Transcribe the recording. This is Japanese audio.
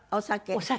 お酒。